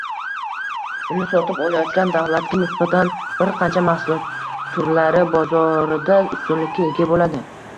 uni sotib olayotgan davlatga nisbatan birqancha mahsulot turlari bozorida ustunlikka ega bo‘ladi.